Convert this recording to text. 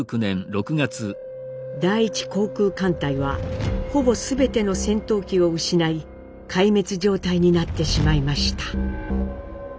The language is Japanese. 第一航空艦隊はほぼ全ての戦闘機を失い壊滅状態になってしまいました。